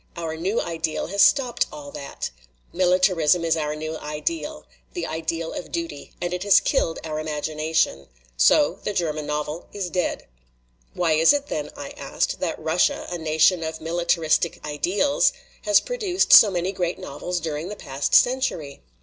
Our new ideal has stopped all that. Militarism is our new ideal the ideal of Duty and it has killed our imagina tion. So the German novel is dead.' " 6 WAR STOPS LITERATURE "Why is it, then," I asked, "that Russia, a na tion of militaristic ideals, has produced so many great novels during the past century?"